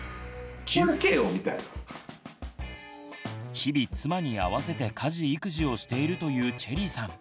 日々妻に合わせて家事育児をしているというチェリーさん。